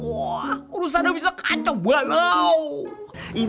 wah urusan gua bisa kacau banget